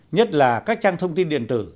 nhất là các trang thông tin điện tử